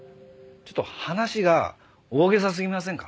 ちょっと話が大袈裟すぎませんか？